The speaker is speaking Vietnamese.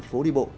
phố đi bộ